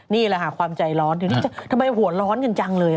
นี่แหละความใจร้อนทำไมหัวร้อนกันจังเลย